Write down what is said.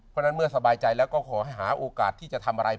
เพราะฉะนั้นเมื่อสบายใจแล้วก็ขอให้หาโอกาสที่จะทำอะไร